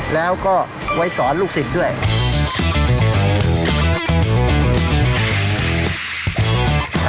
แล้วก็ไว้สอนลูกศิษย์ด้วย